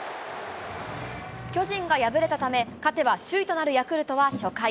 巨人が敗れたため、勝てば首位となるヤクルトは初回。